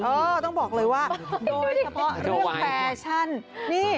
เออต้องบอกเลยว่าโดยเฉพาะเรื่องแฟชั่นนี่